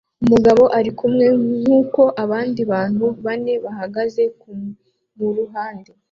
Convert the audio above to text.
Umugabo arikumwe nkuko abandi bantu bane bahagaze kumuruhande